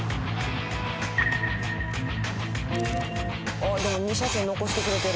あっでも２車線残してくれてる。